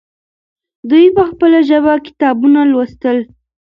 دوی په خپله ژبه کتابونه لوستل.